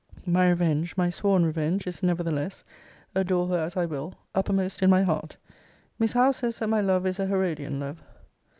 My revenge, my sworn revenge, is, nevertheless, (adore her as I will,) uppermost in my heart. Miss Howe says that my love is a Herodian love.